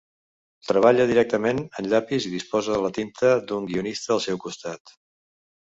Treballa directament en llapis i disposa de la tinta d'un guionista al seu costat.